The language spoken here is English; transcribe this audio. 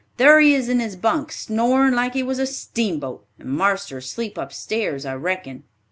Thar he is in his bunk, snorin' like he was a steamboat; and marster's asleep upstairs, I reckon.